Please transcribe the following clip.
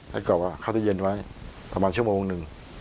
ให้กรอบเข้าที่เย็นไว้ประมาณชั่วโมงหนึ่ง